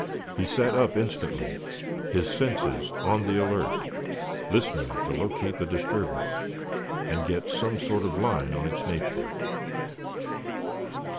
He sat up instantly, his senses on the alert, listening to locate the disturbance, and get some sort of line on its nature.